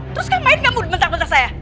terus kamu main kamu bentar bentar saya